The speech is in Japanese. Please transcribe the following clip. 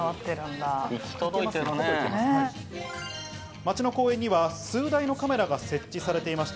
街の公園には数台のカメラが設置されていました。